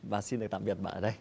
và xin lại tạm biệt bạn ở đây